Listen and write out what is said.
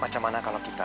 bagaimana kalau kita